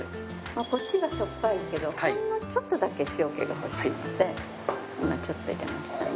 こっちがしょっぱいけどほんのちょっとだけ塩気が欲しいので今ちょっと入れましたね。